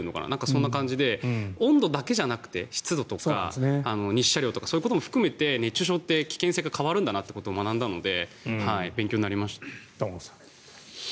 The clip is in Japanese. そんな感じで温度だけじゃなくて湿度とか日射量とかそういうことも含めて熱中症って危険性が変わるんだなって学んだので玉川さん。